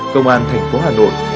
công an thành phố hà nội